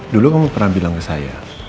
dulu kamu pernah bilang ke saya